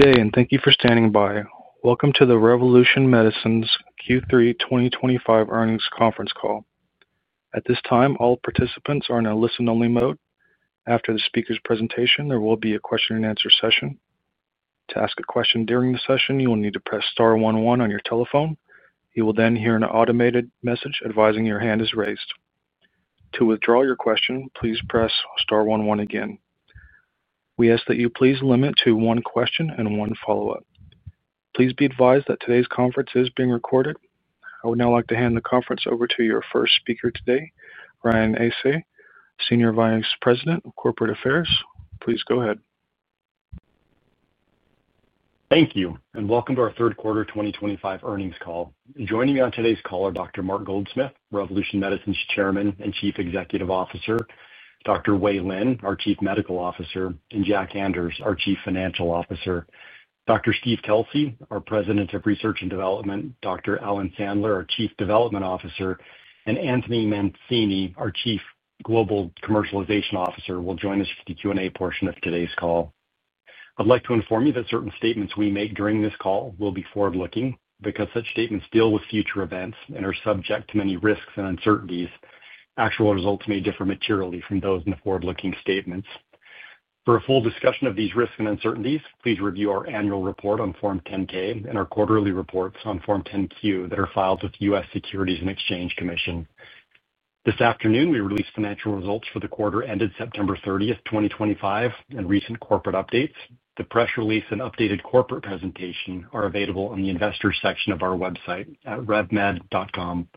Good day, and thank you for standing by. Welcome to the Revolution Medicines Q3 2025 earnings conference call. At this time, all participants are in a listen-only mode. After the speaker's presentation, there will be a question-and-answer session. To ask a question during the session, you will need to press Star 11 on your telephone. You will then hear an automated message advising your hand is raised. To withdraw your question, please press Star 11 again. We ask that you please limit to one question and one follow-up. Please be advised that today's conference is being recorded. I would now like to hand the conference over to your first speaker today, Ryan Asay, Senior Vice President of Corporate Affairs. Please go ahead. Thank you, and welcome to our third quarter 2025 earnings call. Joining me on today's call are Dr. Mark Goldsmith, Revolution Medicines Chairman and Chief Executive Officer, Dr. Wei Lin, our Chief Medical Officer, and Jack Anders, our Chief Financial Officer, Dr. Steve Kelsey, our President of Research and Development, Dr. Alan Sandler, our Chief Development Officer, and Anthony Mancini, our Chief Global Commercialization Officer, will join us for the Q&A portion of today's call. I'd like to inform you that certain statements we make during this call will be forward-looking because such statements deal with future events and are subject to many risks and uncertainties. Actual results may differ materially from those in the forward-looking statements. For a full discussion of these risks and uncertainties, please review our annual report on Form 10-K and our quarterly reports on Form 10-Q that are filed with the U.S. Securities and Exchange Commission. This afternoon, we released financial results for the quarter ended September 30, 2025, and recent corporate updates. The press release and updated corporate presentation are available in the Investors section of our website at revmed.com.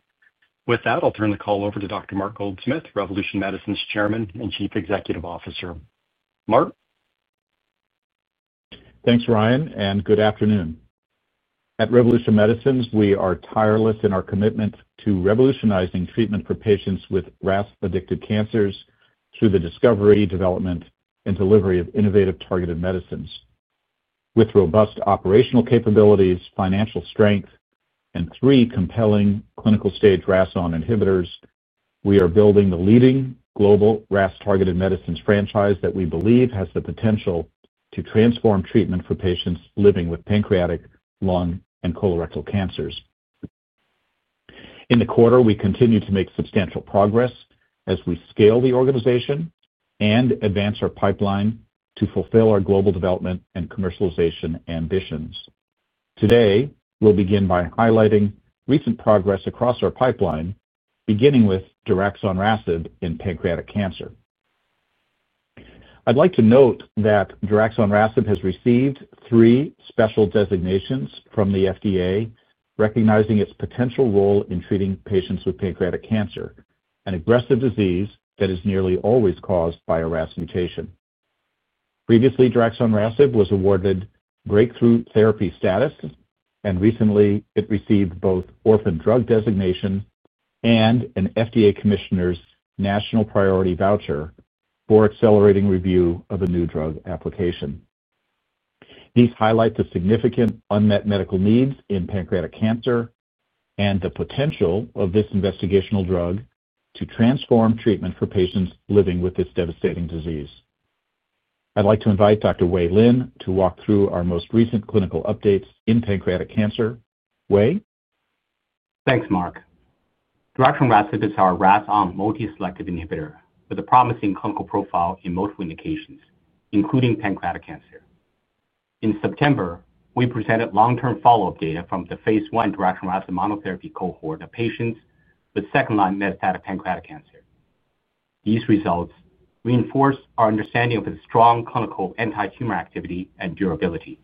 With that, I'll turn the call over to Dr. Mark Goldsmith, Revolution Medicines Chairman and Chief Executive Officer. Mark. Thanks, Ryan, and good afternoon. At Revolution Medicines, we are tireless in our commitment to revolutionizing treatment for patients with RAS-addicted cancers through the discovery, development, and delivery of innovative targeted medicines. With robust operational capabilities, financial strength, and three compelling clinical-stage RAS-on inhibitors, we are building the leading global RAS-targeted medicines franchise that we believe has the potential to transform treatment for patients living with pancreatic, lung, and colorectal cancers. In the quarter, we continue to make substantial progress as we scale the organization and advance our pipeline to fulfill our global development and commercialization ambitions. Today, we'll begin by highlighting recent progress across our pipeline, beginning with Diraxonrasib in pancreatic cancer. I'd like to note that Diraxonrasib has received three special designations from the FDA recognizing its potential role in treating patients with pancreatic cancer, an aggressive disease that is nearly always caused by a RAS mutation. Previously, Diraxonrasib was awarded breakthrough therapy status, and recently, it received both Orphan Drug designation and an FDA Commissioner's National Priority Voucher for accelerating review of a new drug application. These highlight the significant unmet medical needs in pancreatic cancer and the potential of this investigational drug to transform treatment for patients living with this devastating disease. I'd like to invite Dr. Wei Lin to walk through our most recent clinical updates in pancreatic cancer. Wei. Thanks, Mark. Diraxonrasib is our RAS-on multi-selective inhibitor with a promising clinical profile in multiple indications, including pancreatic cancer. In September, we presented long-term follow-up data from the Phase I Diraxonrasib monotherapy cohort of patients with second-line metastatic pancreatic cancer. These results reinforced our understanding of its strong clinical anti-tumor activity and durability.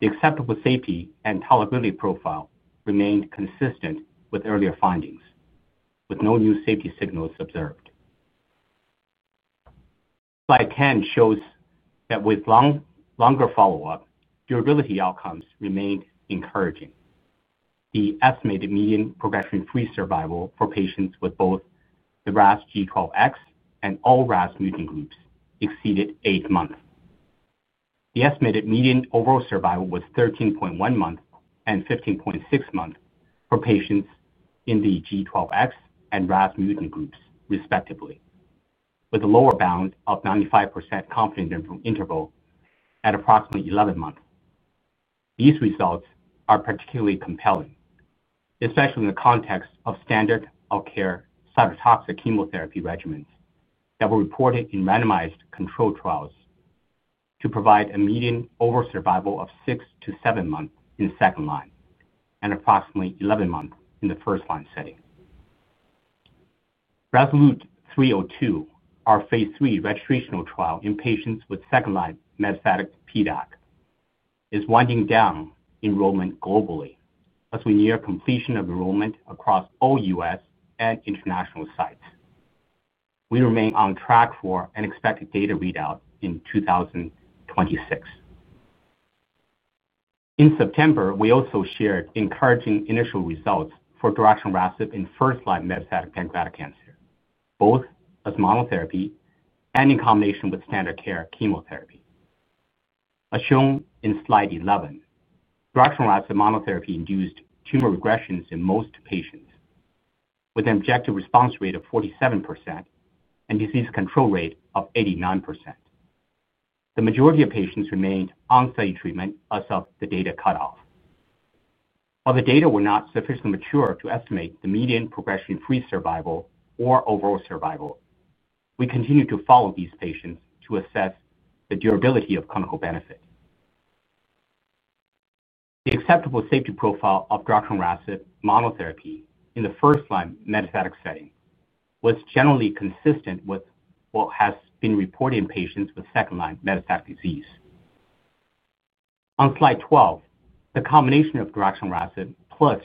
The acceptable safety and tolerability profile remained consistent with earlier findings, with no new safety signals observed. Slide 10 shows that with longer follow-up, durability outcomes remained encouraging. The estimated median progression-free survival for patients with both the RAS G12X and all RAS mutant groups exceeded eight months. The estimated median overall survival was 13.1 months and 15.6 months for patients in the G12X and RAS mutant groups, respectively, with a lower bound of 95% confidence interval at approximately 11 months. These results are particularly compelling, especially in the context of standard of care cytotoxic chemotherapy regimens that were reported in randomized control trials to provide a median overall survival of six to seven months in the second line and approximately 11 months in the first line setting. Resolute 302, our Phase III registration trial in patients with second-line metastatic PDAC, is winding down enrollment globally as we near completion of enrollment across all U.S. and international sites. We remain on track for an expected data readout in 2026. In September, we also shared encouraging initial results for Diraxonrasib in first-line metastatic pancreatic cancer, both as monotherapy and in combination with standard care chemotherapy. As shown in Slide 11, Diraxonrasib monotherapy induced tumor regressions in most patients, with an objective response rate of 47% and disease control rate of 89%. The majority of patients remained on study treatment as of the data cutoff. While the data were not sufficiently mature to estimate the median progression-free survival or overall survival, we continue to follow these patients to assess the durability of clinical benefit. The acceptable safety profile of Diraxonrasib monotherapy in the first-line metastatic setting was generally consistent with what has been reported in patients with second-line metastatic disease. On Slide 12, the combination of Diraxonrasib plus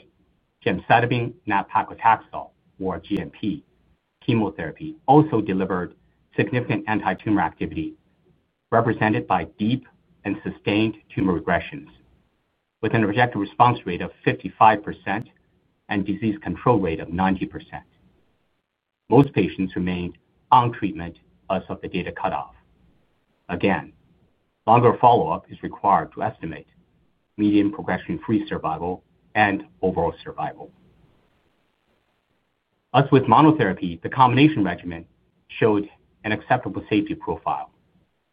gemcitabine-nabpaclitaxel, or GMP, chemotherapy also delivered significant anti-tumor activity represented by deep and sustained tumor regressions, with an objective response rate of 55% and disease control rate of 90%. Most patients remained on treatment as of the data cutoff. Again, longer follow-up is required to estimate median progression-free survival and overall survival. As with monotherapy, the combination regimen showed an acceptable safety profile.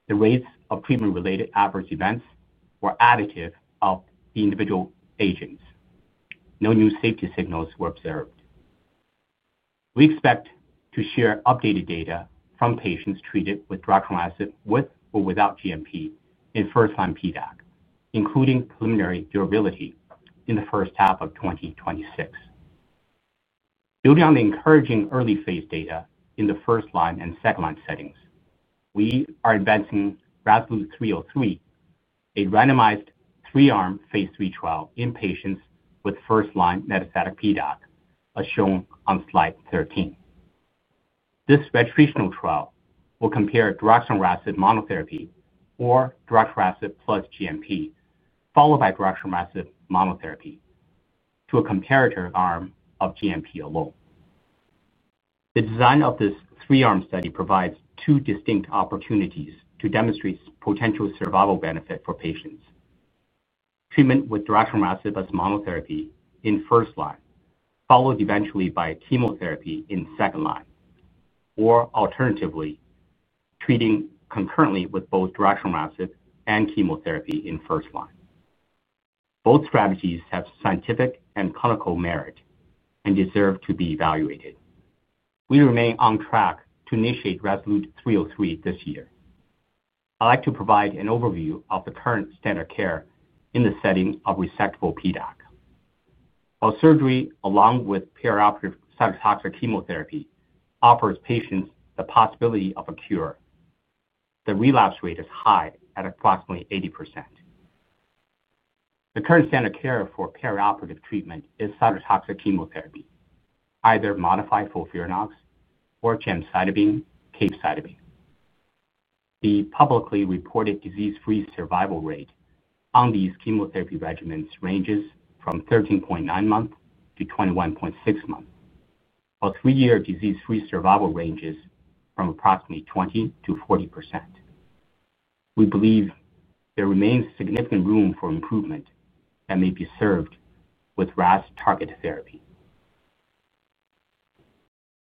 The rates of treatment-related adverse events were additive of the individual agents. No new safety signals were observed. We expect to share updated data from patients treated with Diraxonrasib with or without GMP in first-line PDAC, including preliminary durability in the first half of 2026. Building on the encouraging early-Phase data in the first-line and second-line settings, we are advancing Resolute 303, a randomized three-arm Phase III Trial in patients with first-line metastatic PDAC, as shown on Slide 13. This registration trial will compare Diraxonrasib monotherapy, or Diraxonrasib plus GMP, followed by Diraxonrasib monotherapy, to a comparative arm of GMP alone. The design of this three-arm study provides two distinct opportunities to demonstrate potential survival benefit for patients. Treatment with Diraxonrasib as monotherapy in first line, followed eventually by chemotherapy in second line, or alternatively, treating concurrently with both Diraxonrasib and chemotherapy in first line. Both strategies have scientific and clinical merit and deserve to be evaluated. We remain on track to initiate Resolute 303 this year. I'd like to provide an overview of the current standard care in the setting of resectable PDAC. While surgery, along with perioperative cytotoxic chemotherapy, offers patients the possibility of a cure, the relapse rate is high at approximately 80%. The current standard care for perioperative treatment is cytotoxic chemotherapy, either modified FOLFIRINOX or gemcitabine/capecitabine. The publicly reported disease-free survival rate on these chemotherapy regimens ranges from 13.9 months to 21.6 months, while three-year disease-free survival ranges from approximately 20-40%. We believe there remains significant room for improvement that may be served with RAS-targeted therapy.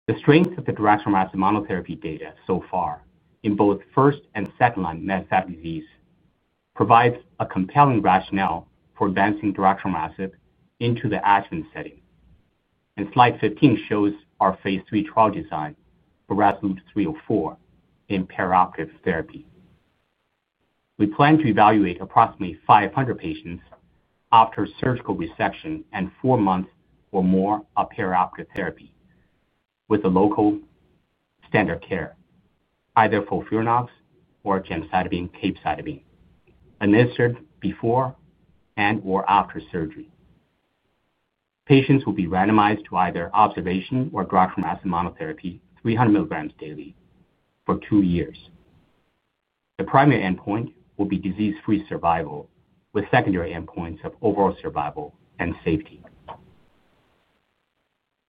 The strength of the Diraxonrasib monotherapy data so far in both first and second-line metastatic disease provides a compelling rationale for advancing Diraxonrasib into the adjuvant setting. Slide 15 shows our Phase III Trial design for Resolute 304 in perioperative therapy. We plan to evaluate approximately 500 patients after surgical resection and four months or more of perioperative therapy with the local standard care, either FOLFIRINOX or gemcitabine/capecitabine, administered before and/or after surgery. Patients will be randomized to either observation or Diraxonrasib monotherapy 300 milligrams daily for two years. The primary endpoint will be disease-free survival with secondary endpoints of overall survival and safety.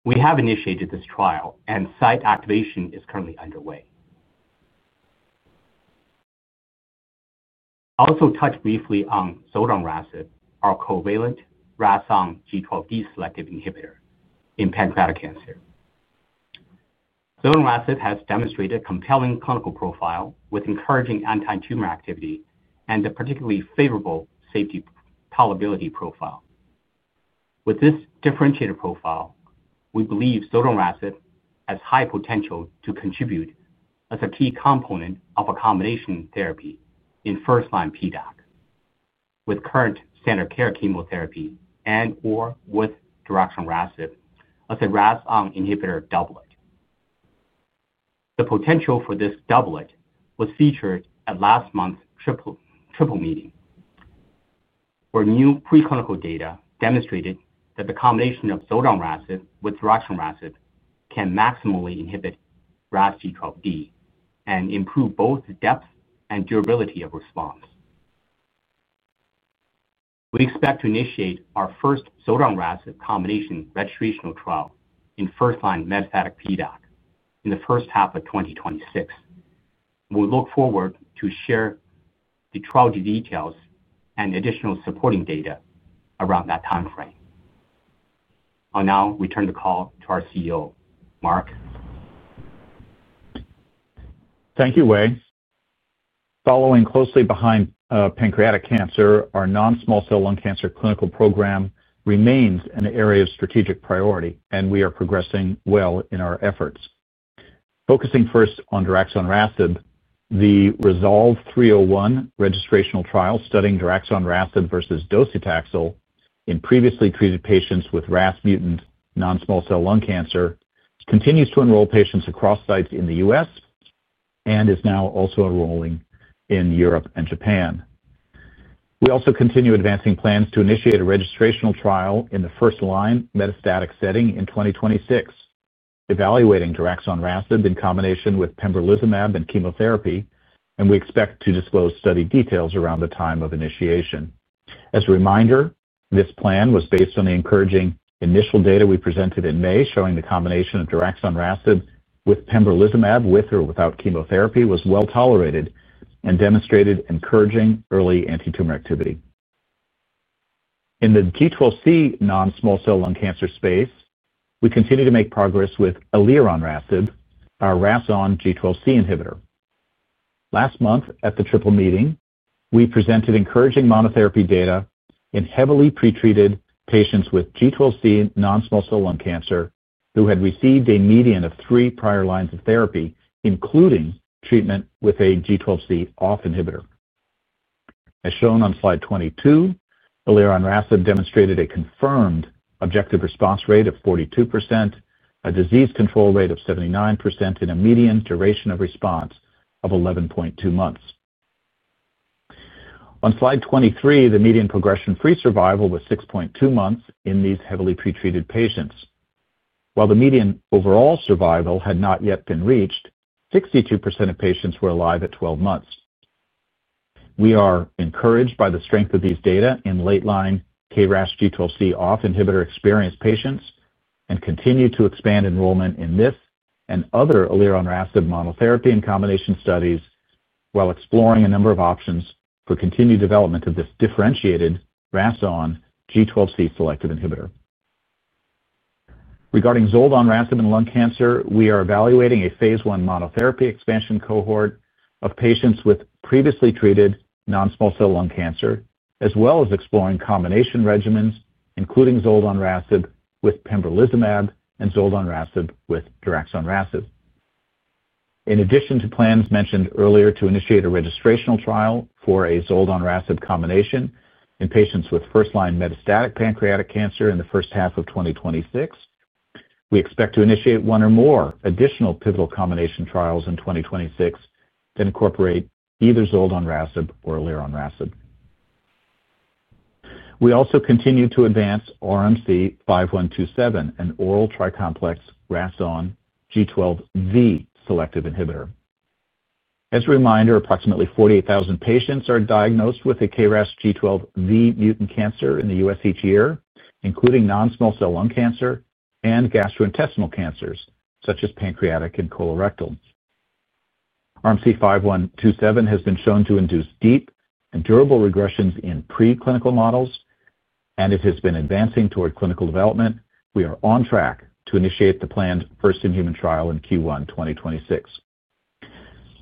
We have initiated this trial, and site activation is currently underway. I'll also touch briefly on Zoledronrasib, our covalent RAS-on G12D selective inhibitor in pancreatic cancer. Zoledronrasib has demonstrated a compelling clinical profile with encouraging anti-tumor activity and a particularly favorable safety tolerability profile. With this differentiated profile, we believe Zoledronrasib has high potential to contribute as a key component of a combination therapy in first-line PDAC with current standard care chemotherapy and/or with Diraxonrasib as a RAS-on inhibitor doublet. The potential for this doublet was featured at last month's triple meeting, where new preclinical data demonstrated that the combination of Zoledronrasib with Diraxonrasib can maximally inhibit RAS G12D and improve both the depth and durability of response. We expect to initiate our first Zoledronrasib combination registration trial in first-line metastatic PDAC in the first half of 2026. We look forward to share the trial details and additional supporting data around that timeframe. I'll now return the call to our CEO, Mark. Thank you, Wei. Following closely behind pancreatic cancer, our non-small cell lung cancer clinical program remains an area of strategic priority, and we are progressing well in our efforts. Focusing first on Diraxonrasib, the Resolve 301 registration trial studying Diraxonrasib versus docetaxel in previously treated patients with RAS mutant non-small cell lung cancer continues to enroll patients across sites in the U.S. and is now also enrolling in Europe and Japan. We also continue advancing plans to initiate a registration trial in the first-line metastatic setting in 2026, evaluating Diraxonrasib in combination with pembrolizumab and chemotherapy, and we expect to disclose study details around the time of initiation. As a reminder, this plan was based on the encouraging initial data we presented in May, showing the combination of Diraxonrasib with pembrolizumab, with or without chemotherapy, was well tolerated and demonstrated encouraging early anti-tumor activity. In the G12C non-small cell lung cancer space, we continue to make progress with Allieronrasib, our RAS-on G12C inhibitor. Last month, at the triple meeting, we presented encouraging monotherapy data in heavily pretreated patients with G12C non-small cell lung cancer who had received a median of three prior lines of therapy, including treatment with a G12C off inhibitor. As shown on Slide 22, Allieronrasib demonstrated a confirmed objective response rate of 42%, a disease control rate of 79%, and a median duration of response of 11.2 months. On Slide 23, the median progression-free survival was 6.2 months in these heavily pretreated patients. While the median overall survival had not yet been reached, 62% of patients were alive at 12 months. We are encouraged by the strength of these data in late-line KRAS G12C off inhibitor experienced patients and continue to expand enrollment in this and other Allieronrasib monotherapy and combination studies while exploring a number of options for continued development of this differentiated RAS-on G12C selective inhibitor. Regarding Zoledronrasib in lung cancer, we are evaluating a Phase 1 monotherapy expansion cohort of patients with previously treated non-small cell lung cancer, as well as exploring combination regimens, including Zoledronrasib with pembrolizumab and Zoledronrasib with Diraxonrasib. In addition to plans mentioned earlier to initiate a registration trial for a Zoledronrasib combination in patients with first-line metastatic pancreatic cancer in the first half of 2026. We expect to initiate one or more additional pivotal combination trials in 2026 that incorporate either Zoledronrasib or Allieronrasib. We also continue to advance RMC 5127, an oral tri-complex RAS-on G12V selective inhibitor. As a reminder, approximately 48,000 patients are diagnosed with a KRAS G12V mutant cancer in the U.S. each year, including non-small cell lung cancer and gastrointestinal cancers such as pancreatic and colorectal. RMC 5127 has been shown to induce deep and durable regressions in preclinical models, and it has been advancing toward clinical development. We are on track to initiate the planned first-in-human trial in Q1 2026.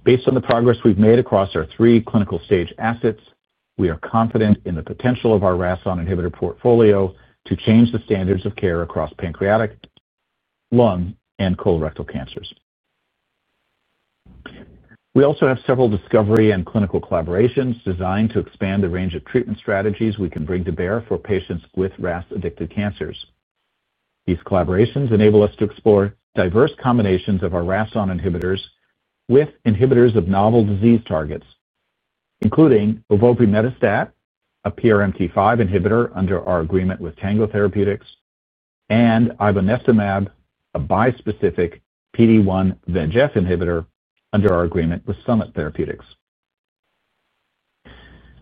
Based on the progress we've made across our three clinical stage assets, we are confident in the potential of our RAS-on inhibitor portfolio to change the standards of care across pancreatic, lung, and colorectal cancers. We also have several discovery and clinical collaborations designed to expand the range of treatment strategies we can bring to bear for patients with RAS-addicted cancers. These collaborations enable us to explore diverse combinations of our RAS-on inhibitors with inhibitors of novel disease targets, including Ivoprimetastat, a PRMT5 inhibitor under our agreement with Tango Therapeutics, and Ibenestumab, a bispecific PD-1 VEGF inhibitor under our agreement with Summit Therapeutics.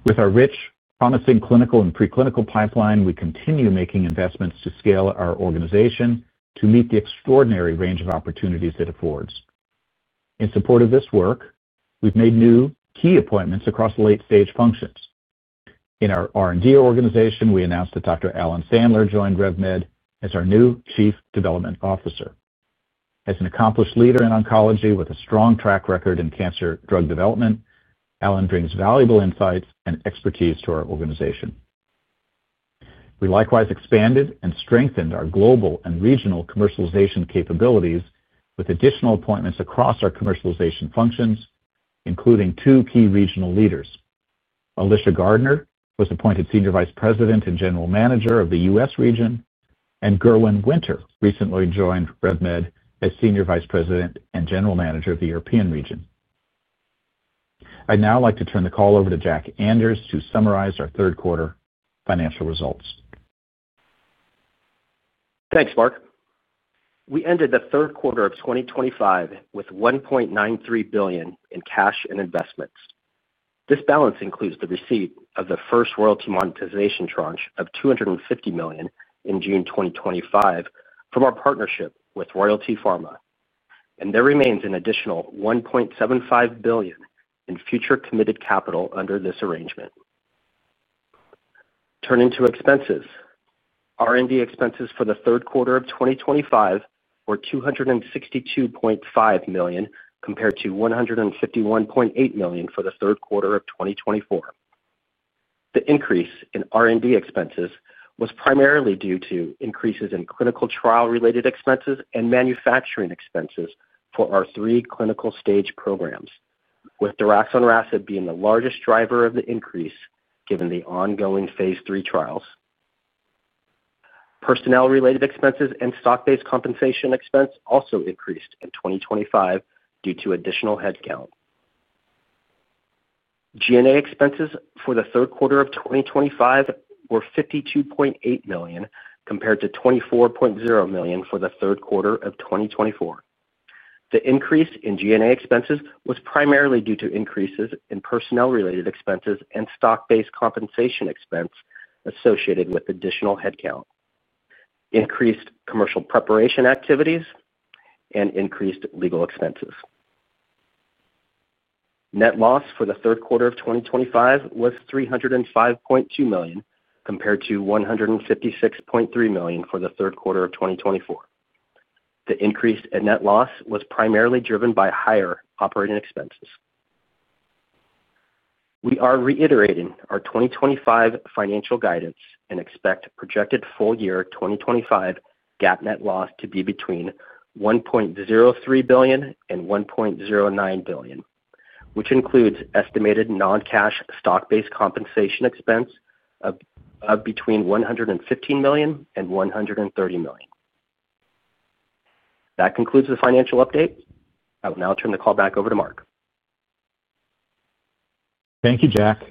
With our rich, promising clinical and preclinical pipeline, we continue making investments to scale our organization to meet the extraordinary range of opportunities it affords. In support of this work, we've made new key appointments across late-stage functions. In our R&D organization, we announced that Dr. Alan Sandler joined Revolution Medicines as our new Chief Development Officer. As an accomplished leader in oncology with a strong track record in cancer drug development, Alan brings valuable insights and expertise to our organization. We likewise expanded and strengthened our global and regional commercialization capabilities with additional appointments across our commercialization functions, including two key regional leaders. Alicia Gardner was appointed Senior Vice President and General Manager of the U.S. region, and Gerwin Winter recently joined Revolution Medicines as Senior Vice President and General Manager of the European region. I'd now like to turn the call over to Jack Anders to summarize our third-quarter financial results. Thanks, Mark. We ended the third quarter of 2025 with $1.93 billion in cash and investments. This balance includes the receipt of the first royalty monetization tranche of $250 million in June 2025 from our partnership with Royalty Pharma, and there remains an additional $1.75 billion in future committed capital under this arrangement. Turning to expenses, R&D expenses for the third quarter of 2025 were $262.5 million compared to $151.8 million for the third quarter of 2024. The increase in R&D expenses was primarily due to increases in clinical trial-related expenses and manufacturing expenses for our three clinical stage programs, with Diraxonrasib being the largest driver of the increase given the ongoing Phase III trials. Personnel-related expenses and stock-based compensation expense also increased in 2025 due to additional headcount. G&A expenses for the third quarter of 2025 were $52.8 million compared to $24.0 million for the third quarter of 2024. The increase in G&A expenses was primarily due to increases in personnel-related expenses and stock-based compensation expense associated with additional headcount. Increased commercial preparation activities and increased legal expenses. Net loss for the third quarter of 2025 was $305.2 million compared to $156.3 million for the third quarter of 2024. The increase in net loss was primarily driven by higher operating expenses. We are reiterating our 2025 financial guidance and expect projected full year 2025 GAAP net loss to be between $1.03 billion and $1.09 billion, which includes estimated non-cash stock-based compensation expense of between $115 million and $130 million. That concludes the financial update. I will now turn the call back over to Mark. Thank you, Jack.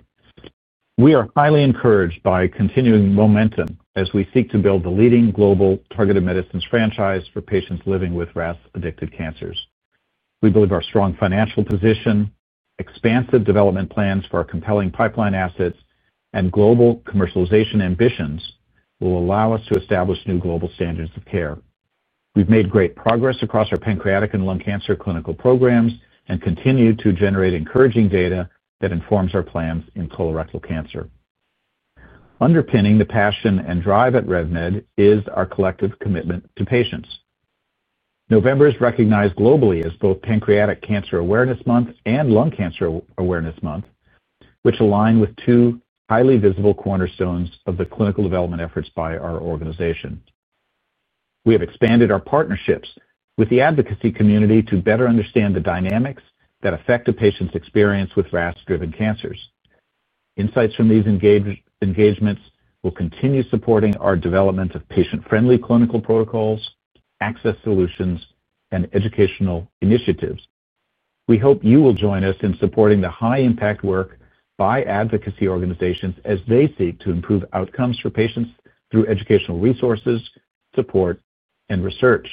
We are highly encouraged by continuing momentum as we seek to build the leading global targeted medicines franchise for patients living with RAS-addicted cancers. We believe our strong financial position, expansive development plans for our compelling pipeline assets, and global commercialization ambitions will allow us to establish new global standards of care. We've made great progress across our pancreatic and lung cancer clinical programs and continue to generate encouraging data that informs our plans in colorectal cancer. Underpinning the passion and drive at Revolution Medicines is our collective commitment to patients. November is recognized globally as both Pancreatic Cancer Awareness Month and Lung Cancer Awareness Month, which align with two highly visible cornerstones of the clinical development efforts by our organization. We have expanded our partnerships with the advocacy community to better understand the dynamics that affect a patient's experience with RAS-driven cancers. Insights from these engagements will continue supporting our development of patient-friendly clinical protocols, access solutions, and educational initiatives. We hope you will join us in supporting the high-impact work by advocacy organizations as they seek to improve outcomes for patients through educational resources, support, and research.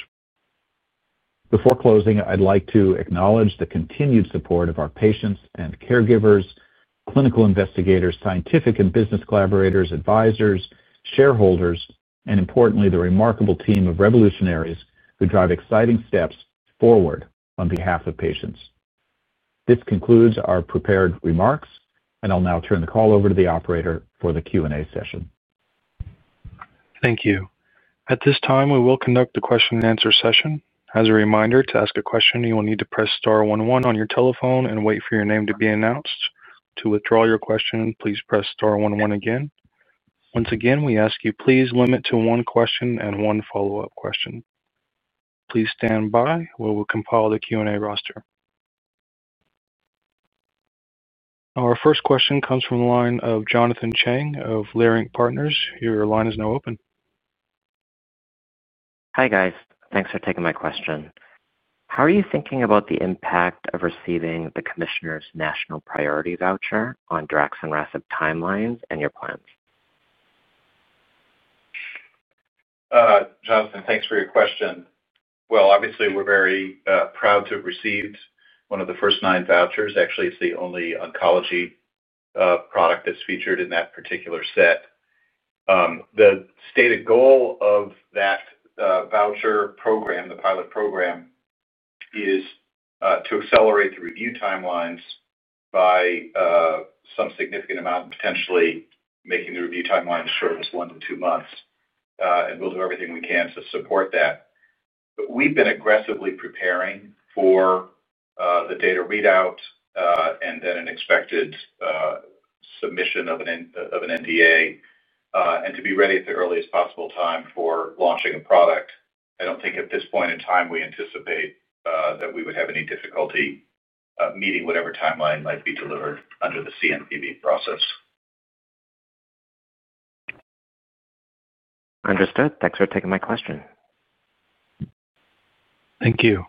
Before closing, I'd like to acknowledge the continued support of our patients and caregivers, clinical investigators, scientific and business collaborators, advisors, shareholders, and importantly, the remarkable team of revolutionaries who drive exciting steps forward on behalf of patients. This concludes our prepared remarks, and I'll now turn the call over to the operator for the Q&A session. Thank you. At this time, we will conduct the question-and-answer session. As a reminder, to ask a question, you will need to press Star 11 on your telephone and wait for your name to be announced. To withdraw your question, please press Star 11 again. Once again, we ask you, please limit to one question and one follow-up question. Please stand by while we compile the Q&A roster. Our first question comes from the line of Jonathan Chang of Leerink Partners. Your line is now open. Hi, guys. Thanks for taking my question. How are you thinking about the impact of receiving the FDA Commissioner's National Priority Voucher on Diraxonrasib timelines and your plans? Jonathan, thanks for your question. Obviously, we're very proud to have received one of the first nine vouchers. Actually, it's the only oncology product that's featured in that particular set. The stated goal of that voucher program, the pilot program, is to accelerate the review timelines by some significant amount, potentially making the review timelines as short as one to two months. We'll do everything we can to support that. We've been aggressively preparing for the data readout and then an expected submission of an NDA, and to be ready at the earliest possible time for launching a product. I don't think at this point in time we anticipate that we would have any difficulty meeting whatever timeline might be delivered under the CNPB process. Understood. Thanks for taking my question. Thank you.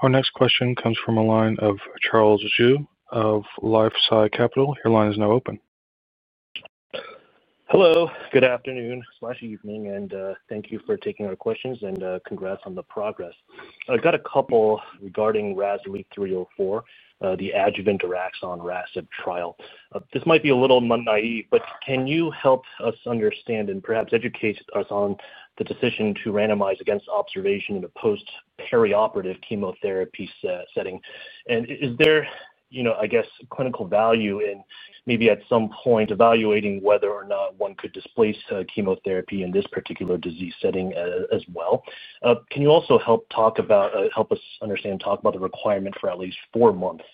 Our next question comes from a line of Charles Zhu of LifeSci Capital. Your line is now open. Hello. Good afternoon/evening, and thank you for taking our questions and congrats on the progress. I've got a couple regarding Resolute 304, the adjuvant Diraxonrasib trial. This might be a little naive, but can you help us understand and perhaps educate us on the decision to randomize against observation in a post-perioperative chemotherapy setting? Is there, I guess, clinical value in maybe at some point evaluating whether or not one could displace chemotherapy in this particular disease setting as well? Can you also help talk about, help us understand, talk about the requirement for at least four months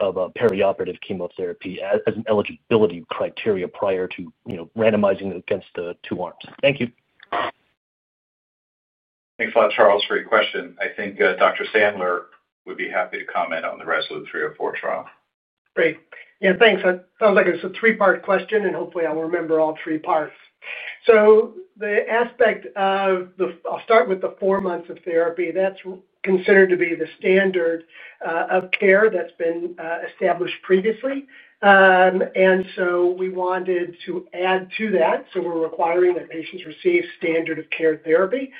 of perioperative chemotherapy as an eligibility criteria prior to randomizing against the two arms? Thank you. Thanks a lot, Charles, for your question. I think Dr. Sandler would be happy to comment on the Resolute 304 Trial. Great. Yeah, thanks. It sounds like it's a three-part question, and hopefully, I'll remember all three parts. The aspect of the—I'll start with the four months of therapy. That's considered to be the standard of care that's been established previously. We wanted to add to that. We're requiring that patients receive standard-of-care therapy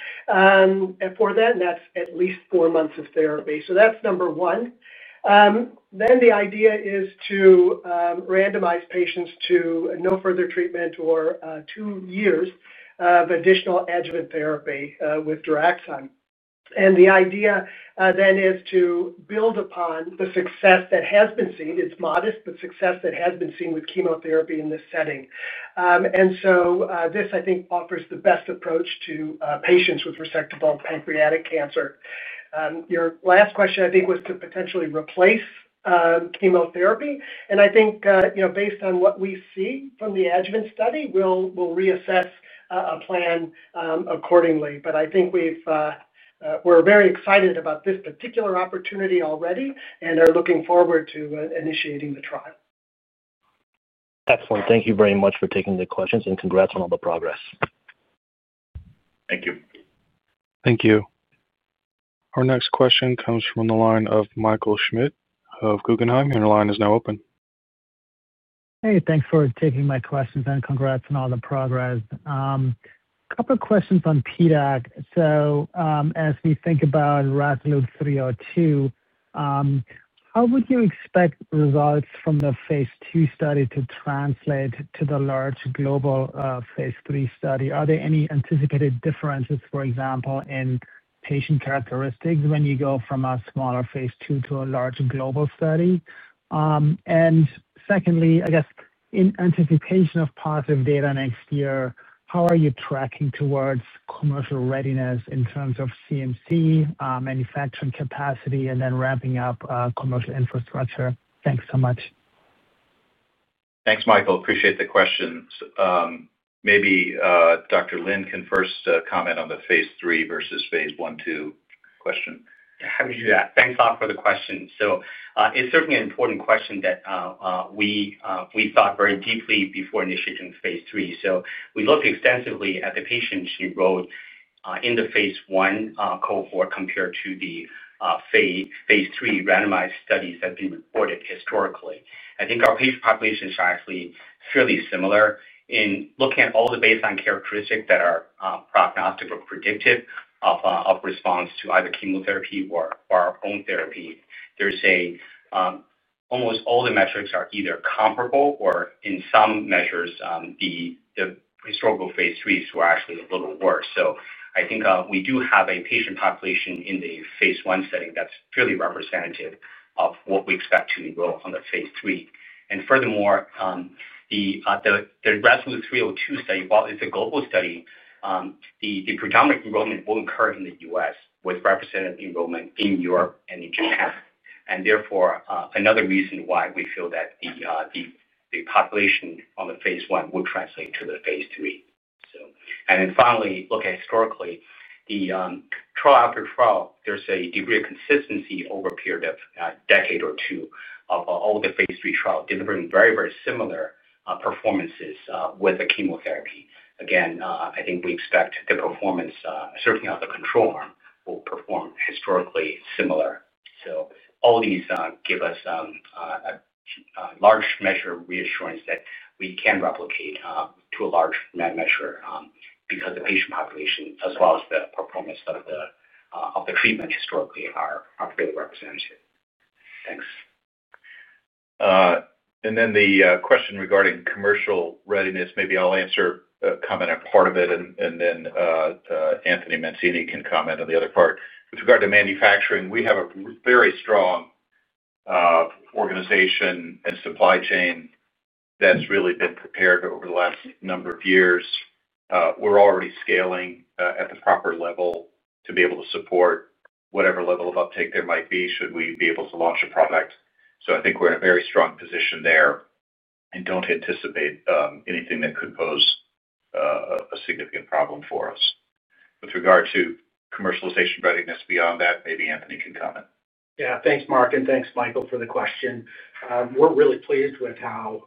for that, and that's at least four months of therapy. That's number one. The idea is to randomize patients to no further treatment or two years of additional adjuvant therapy with Diraxonrasib. The idea then is to build upon the success that has been seen—it's modest—but success that has been seen with chemotherapy in this setting. This, I think, offers the best approach to patients with resectable pancreatic cancer. Your last question, I think, was to potentially replace chemotherapy. I think based on what we see from the adjuvant study, we'll reassess a plan accordingly. I think we're very excited about this particular opportunity already and are looking forward to initiating the trial. Excellent. Thank you very much for taking the questions and congrats on all the progress. Thank you. Thank you. Our next question comes from the line of Michael Schmidt of Guggenheim. Your line is now open. Hey, thanks for taking my questions and congrats on all the progress. A couple of questions on PDAC. As we think about Resolute 302, how would you expect results from the Phase II study to translate to the large global Phase III study? Are there any anticipated differences, for example, in patient characteristics when you go from a smaller Phase II to a large global study? Secondly, I guess, in anticipation of positive data next year, how are you tracking towards commercial readiness in terms of CMC, manufacturing capacity, and then ramping up commercial infrastructure? Thanks so much. Thanks, Michael. Appreciate the questions. Maybe Dr. Lin can first comment on the Phase III versus Phase I, II question. How do you do that? Thanks, Hawk, for the question. It's certainly an important question that we thought very deeply before initiating Phase III. We looked extensively at the patients you wrote in the Phase I cohort compared to the Phase 3 randomized studies that have been reported historically. I think our patient populations are actually fairly similar in looking at all the baseline characteristics that are prognostic or predictive of response to either chemotherapy or our own therapy. Almost all the metrics are either comparable or, in some measures, the historical Phase IIIs were actually a little worse. I think we do have a patient population in the Phase I setting that's fairly representative of what we expect to enroll on the Phase III. Furthermore, the Resolute 302 study, while it's a global study. The predominant enrollment will occur in the U.S. with representative enrollment in Europe and in Japan. Therefore, another reason why we feel that the population on the Phase I would translate to the Phase III. Finally, looking historically, trial after trial, there is a degree of consistency over a period of a decade or two of all the Phase III Trials delivering very, very similar performances with the chemotherapy. Again, I think we expect the performance, certainly on the control arm, will perform historically similar. All these give us a large measure of reassurance that we can replicate to a large measure because the patient population, as well as the performance of the treatment historically, are fairly representative. Thanks. The question regarding commercial readiness, maybe I'll answer a comment on part of it, and then Anthony Mancini can comment on the other part. With regard to manufacturing, we have a very strong organization and supply chain that's really been prepared over the last number of years. We're already scaling at the proper level to be able to support whatever level of uptake there might be should we be able to launch a product. I think we're in a very strong position there and do not anticipate anything that could pose a significant problem for us. With regard to commercialization readiness beyond that, maybe Anthony can comment. Yeah. Thanks, Mark, and thanks, Michael, for the question. We're really pleased with how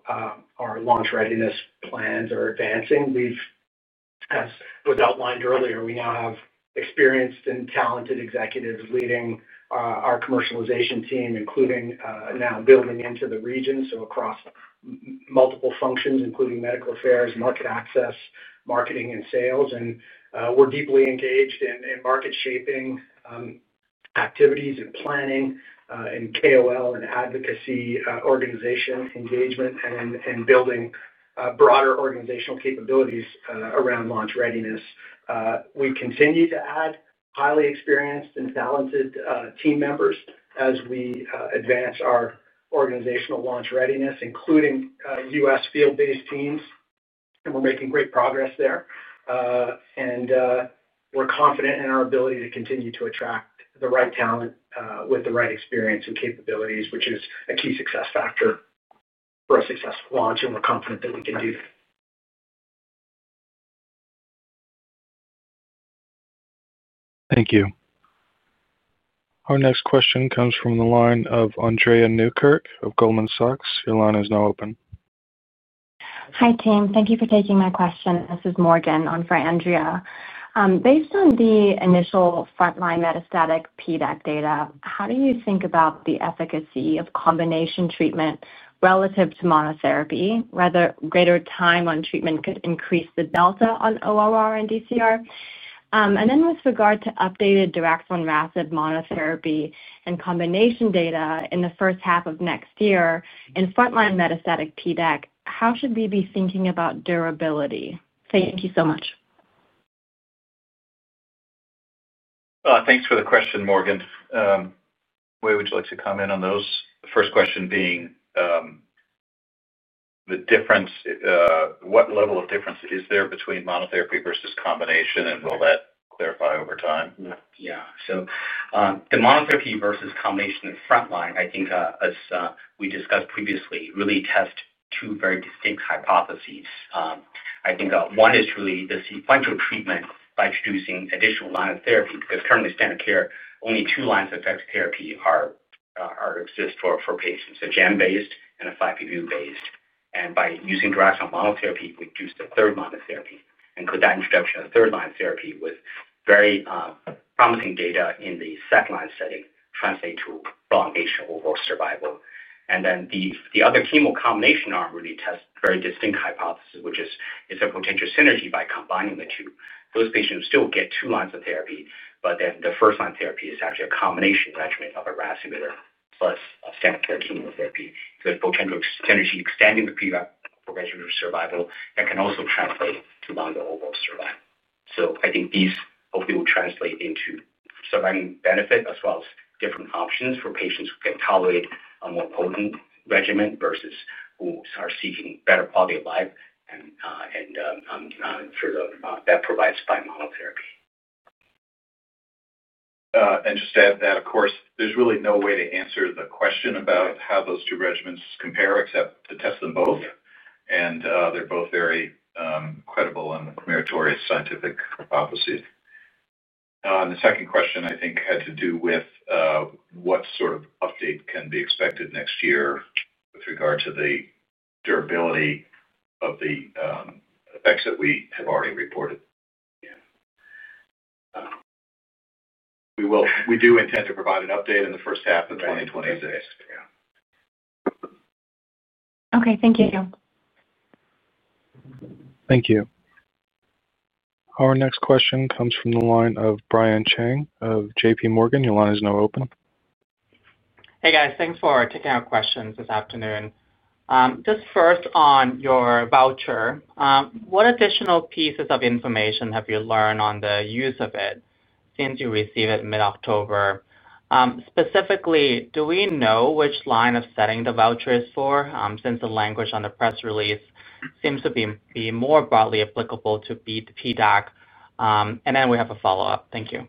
our launch readiness plans are advancing. As was outlined earlier, we now have experienced and talented executives leading our commercialization team, including now building into the region, so across multiple functions, including medical affairs, market access, marketing, and sales. We're deeply engaged in market-shaping activities and planning and KOL and advocacy organization engagement and building broader organizational capabilities around launch readiness. We continue to add highly experienced and talented team members as we advance our organizational launch readiness, including U.S. field-based teams. We're making great progress there. We're confident in our ability to continue to attract the right talent with the right experience and capabilities, which is a key success factor for a successful launch, and we're confident that we can do that. Thank you. Our next question comes from the line of Andrea Newkirk of Goldman Sachs. Your line is now open. Hi, team. Thank you for taking my question. This is Morgan on for Andrea. Based on the initial frontline metastatic PDAC data, how do you think about the efficacy of combination treatment relative to monotherapy? Rather, greater time on treatment could increase the delta on ORR and DCR. With regard to updated Diraxonrasib monotherapy and combination data in the first half of next year in frontline metastatic PDAC, how should we be thinking about durability? Thank you so much. Thanks for the question, Morgan. Where would you like to comment on those? The first question being, the difference—what level of difference is there between monotherapy versus combination? And will that clarify over time? Yeah. The monotherapy versus combination in frontline, I think, as we discussed previously, really tests two very distinct hypotheses. I think one is truly the sequential treatment by introducing an additional line of therapy. Because currently, standard care, only two lines of effective therapy exist for patients: a gemcitabine-based and a 5-FU-based. By using Diraxonrasib monotherapy, we introduce the third line of therapy. Could that introduction of the third line of therapy with very promising data in the second-line setting translate to prolongation of overall survival? The other chemo combination arm really tests a very distinct hypothesis, which is a potential synergy by combining the two. Those patients still get two lines of therapy, but the first-line therapy is actually a combination regimen of a RAS inhibitor plus a standard care chemotherapy. The potential synergy extending the PDAC for regimental survival can also translate to longer overall survival. I think these, hopefully, will translate into survival benefit as well as different options for patients who can tolerate a more potent regimen versus who are seeking better quality of life through the benefit that is provided by monotherapy. Just to add to that, of course, there's really no way to answer the question about how those two regimens compare except to test them both. They're both very credible and meritorious scientific hypotheses. The second question, I think, had to do with what sort of update can be expected next year with regard to the durability of the effects that we have already reported. Yeah, we do intend to provide an update in the first half of 2026. Yeah. Okay. Thank you'll. Thank you. Our next question comes from the line of Brian Chang of JPMorgan. Your line is now open. Hey, guys. Thanks for taking our questions this afternoon. Just first on your voucher, what additional pieces of information have you learned on the use of it since you received it in mid-October? Specifically, do we know which line of setting the voucher is for since the language on the press release seems to be more broadly applicable to PDAC? Thank you.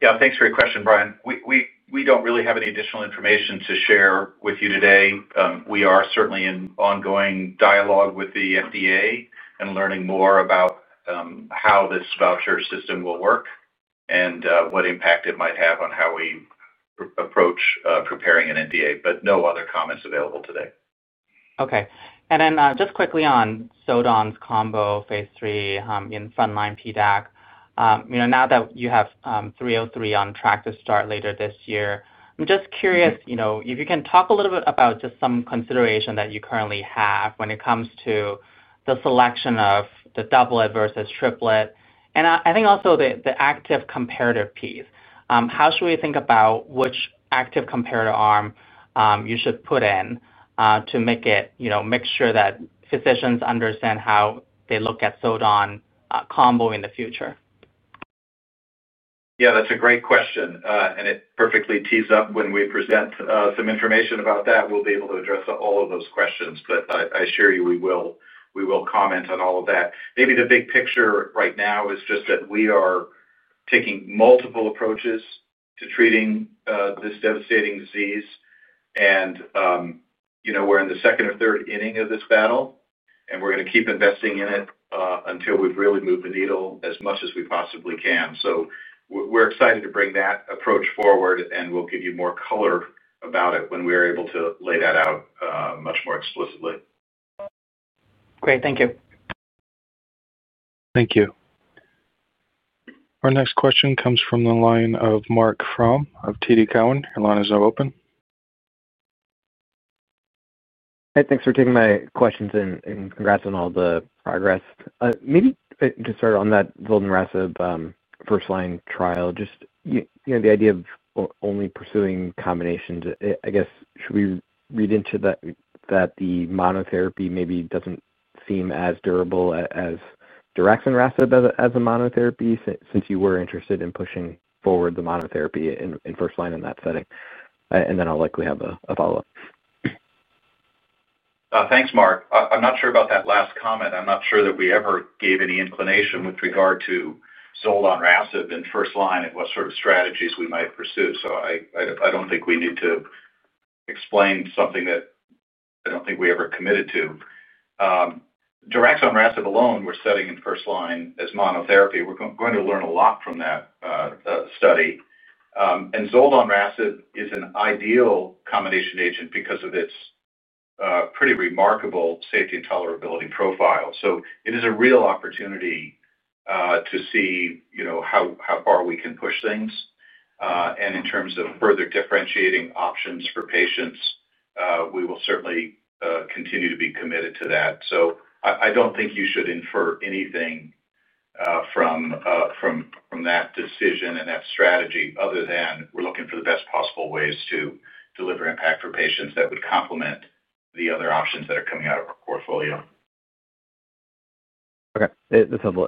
Yeah. Thanks for your question, Brian. We do not really have any additional information to share with you today. We are certainly in ongoing dialogue with the FDA and learning more about how this voucher system will work and what impact it might have on how we approach preparing an NDA. No other comments available today. Okay. And then just quickly on Soton's combo Phase III in frontline PDAC, now that you have 303 on track to start later this year, I'm just curious if you can talk a little bit about just some consideration that you currently have when it comes to the selection of the doublet versus triplet. I think also the active comparative piece. How should we think about which active comparator arm you should put in to make sure that physicians understand how they look at Soton combo in the future? Yeah. That's a great question. It perfectly tees up when we present some information about that. We'll be able to address all of those questions. I assure you we will comment on all of that. Maybe the big picture right now is just that we are taking multiple approaches to treating this devastating disease. We're in the second or third inning of this battle, and we're going to keep investing in it until we've really moved the needle as much as we possibly can. We're excited to bring that approach forward, and we'll give you more color about it when we are able to lay that out much more explicitly. Great. Thank you. Thank you. Our next question comes from the line of Marc Frahm of TD Cowen. Your line is now open. Hey, thanks for taking my questions and congrats on all the progress. Maybe to start on that Zoledronrasib first-line trial, just the idea of only pursuing combinations, I guess, should we read into that the monotherapy maybe doesn't seem as durable as Diraxonrasib as a monotherapy since you were interested in pushing forward the monotherapy in first-line in that setting? I guess I'll likely have a follow-up. Thanks, Marc. I'm not sure about that last comment. I'm not sure that we ever gave any inclination with regard to Zoledronrasib in first-line and what sort of strategies we might pursue. I don't think we need to explain something that I don't think we ever committed to. Diraxonrasib alone, we're setting in first-line as monotherapy. We're going to learn a lot from that study. Zoledronrasib is an ideal combination agent because of its pretty remarkable safety and tolerability profile. It is a real opportunity to see how far we can push things. In terms of further differentiating options for patients, we will certainly continue to be committed to that. I don't think you should infer anything from. That decision and that strategy other than we're looking for the best possible ways to deliver impact for patients that would complement the other options that are coming out of our portfolio. Okay. That's helpful.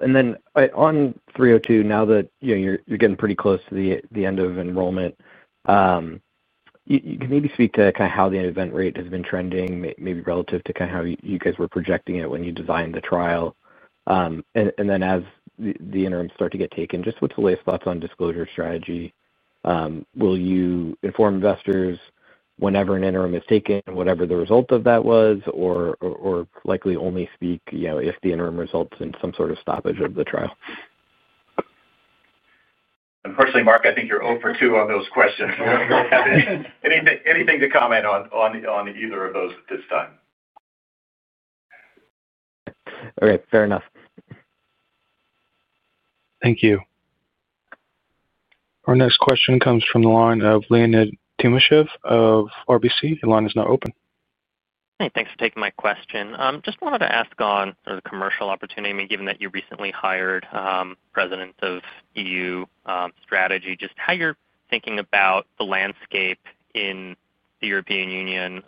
On 302, now that you're getting pretty close to the end of enrollment, can you maybe speak to how the event rate has been trending, maybe relative to how you guys were projecting it when you designed the trial? As the interims start to get taken, what's the latest thoughts on disclosure strategy? Will you inform investors whenever an interim is taken, whatever the result of that was, or likely only speak if the interim results in some sort of stoppage of the trial? Unfortunately, Marc, I think you're 0 for 2 on those questions. We don't really have anything to comment on either of those at this time. Okay. Fair enough. Thank you. Our next question comes from the line of Leonid Timashev of RBC. Your line is now open. Hey. Thanks for taking my question. Just wanted to ask on sort of the commercial opportunity, I mean, given that you recently hired President of EU Strategy, just how you're thinking about the landscape in the European Union.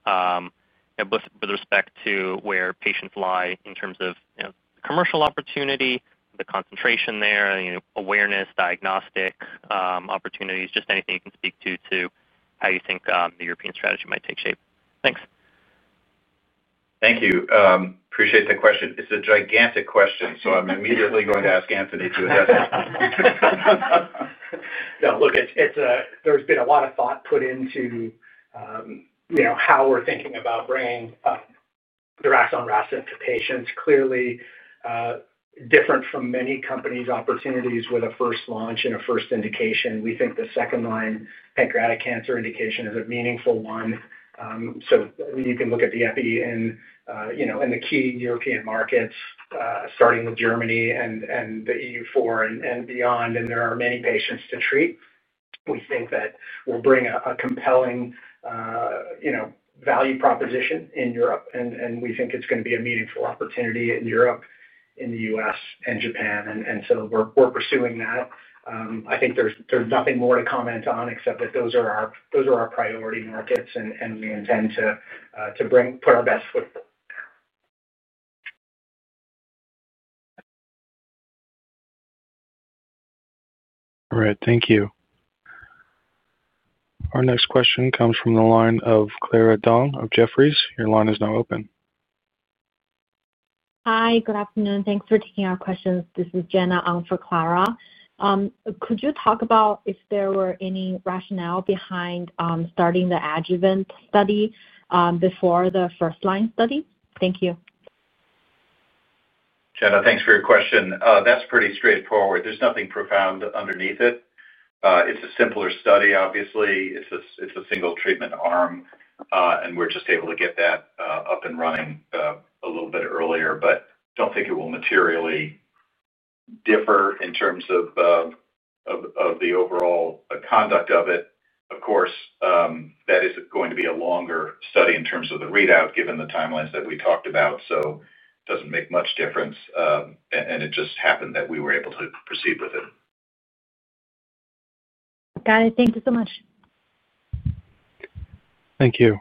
With respect to where patients lie in terms of the commercial opportunity, the concentration there, awareness, diagnostic opportunities, just anything you can speak to how you think the European strategy might take shape. Thanks. Thank you. Appreciate the question. It's a gigantic question, so I'm immediately going to ask Anthony to address it. Yeah. Look, there's been a lot of thought put into how we're thinking about bringing Diraxonrasib to patients. Clearly, different from many companies' opportunities with a first launch and a first indication. We think the second-line pancreatic cancer indication is a meaningful one. You can look at the EPI in the key European markets, starting with Germany and the EU4 and beyond, and there are many patients to treat. We think that we'll bring a compelling value proposition in Europe, and we think it's going to be a meaningful opportunity in Europe, in the U.S., and Japan. We are pursuing that. I think there's nothing more to comment on except that those are our priority markets, and we intend to put our best foot in there. All right. Thank you. Our next question comes from the line of Clara Dong of Jefferies. Your line is now open. Hi. Good afternoon. Thanks for taking our questions. This is Jenna on for Clara. Could you talk about if there were any rationale behind starting the adjuvant study before the first-line study? Thank you. Jenna, thanks for your question. That's pretty straightforward. There's nothing profound underneath it. It's a simpler study, obviously. It's a single treatment arm, and we're just able to get that up and running a little bit earlier. I don't think it will materially differ in terms of the overall conduct of it. Of course, that is going to be a longer study in terms of the readout given the timelines that we talked about. It doesn't make much difference. It just happened that we were able to proceed with it. Got it. Thank you so much. Thank you.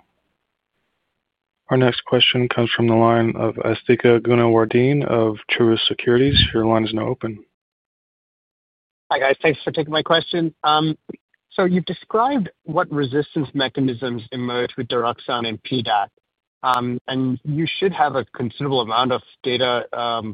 Our next question comes from the line of Asthika Goonewardene of Truist Securities. Your line is now open. Hi, guys. Thanks for taking my question. You've described what resistance mechanisms emerge with Diraxonrasib in PDAC. You should have a considerable amount of data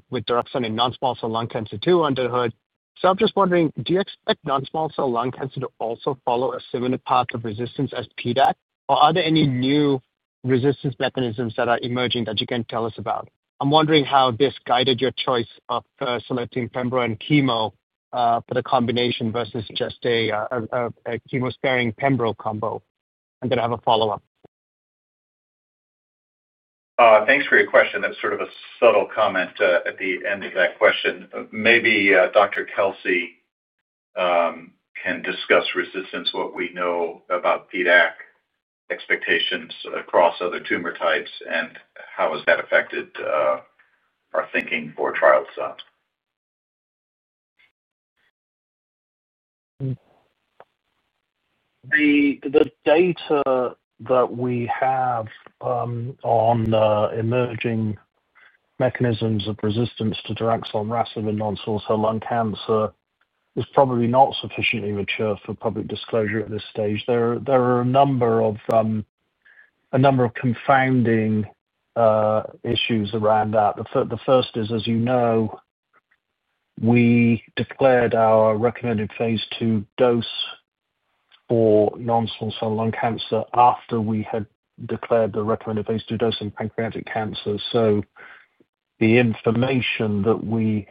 with Diraxonrasib in non-small cell lung cancer too, under hood. I'm just wondering, do you expect non-small cell lung cancer to also follow a similar path of resistance as PDAC? Are there any new resistance mechanisms that are emerging that you can tell us about? I'm wondering how this guided your choice of selecting pembrolizumab and chemo for the combination versus just a chemosparing pembrolizumab combo. I'm going to have a follow-up. Thanks for your question. That's sort of a subtle comment at the end of that question. Maybe Dr. Kelsey can discuss resistance, what we know about PDAC expectations across other tumor types, and how has that affected our thinking for trial sets. The data that we have on emerging mechanisms of resistance to Diraxonrasib in non-small cell lung cancer is probably not sufficiently mature for public disclosure at this stage. There are a number of confounding issues around that. The first is, as you know, we declared our recommended Phase II dose for non-small cell lung cancer after we had declared the recommended Phase II dose in pancreatic cancer. The information that we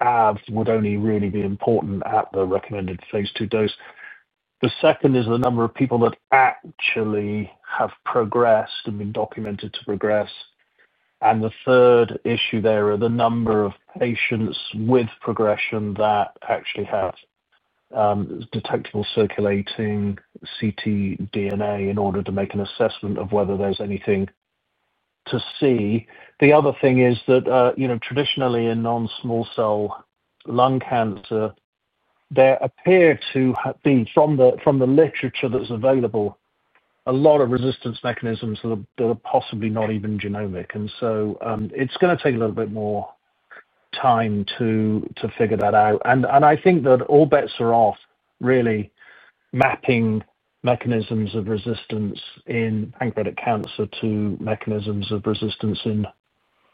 have would only really be important at the recommended Phase II dose. The second is the number of people that actually have progressed and been documented to progress. The third issue is the number of patients with progression that actually have detectable circulating CT DNA in order to make an assessment of whether there's anything to see. The other thing is that traditionally in non-small cell lung cancer. There appear to be, from the literature that's available, a lot of resistance mechanisms that are possibly not even genomic. It is going to take a little bit more time to figure that out. I think that all bets are off, really, mapping mechanisms of resistance in pancreatic cancer to mechanisms of resistance in